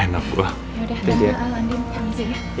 ya udah jangan lah al andien hati hati ya